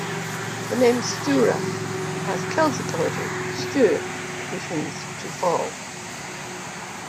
The name Stura has Celtic origin: "stur", which means "to fall".